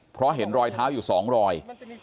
เพราะเห็นรอยเท้าอยู่๒รอย